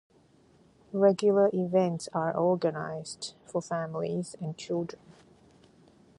Regular events are organised for families and children.